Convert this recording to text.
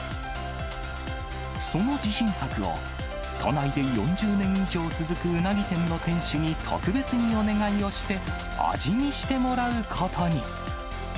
その自信作を、都内で４０年以上続くうなぎ店の店主に特別にお願いをして、味見してもらうことに。